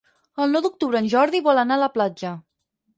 El nou d'octubre en Jordi vol anar a la platja.